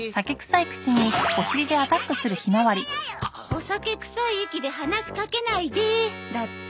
「お酒くさい息で話しかけないで」だって。